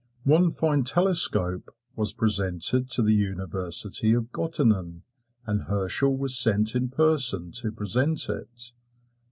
One fine telescope was presented to the University of Gottingen, and Herschel was sent in person to present it.